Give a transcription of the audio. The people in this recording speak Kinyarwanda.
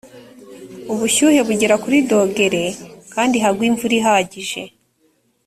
ubushyuhe bugera kuri dogere kandi hagwa imvura ihagije